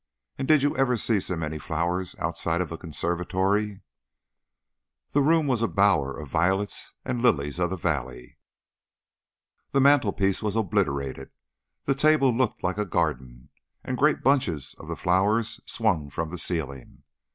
And did you ever see so many flowers outside of a conservatory?" The room was a bower of violets and lilies of the valley. The mantelpiece was obliterated, the table looked like a garden, and great bunches of the flowers swung from the ceiling.